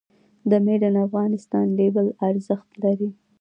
د "Made in Afghanistan" لیبل ارزښت لري؟